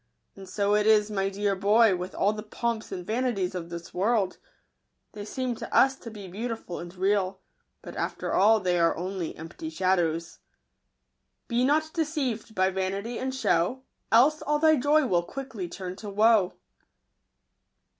And so it is, my dear boy, with all the pomps and vanities of this world :— they seem to us to be beau tiful and real, but, after all, they are only empty shadows," Be not deceived by vanity and show, Else all thy joy will quickly turn to woe.